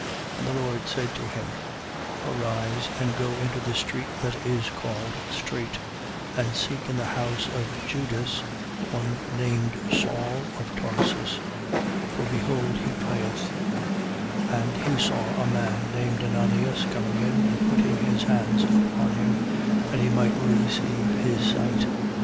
And the Lord said to him: Arise and go into the street that is called Strait and seek in the house of Judas, one named Saul of Tarsus. For behold he prayeth. 9:12. (And he saw a man named Ananias coming in and putting his hands upon him, that he might receive his sight.)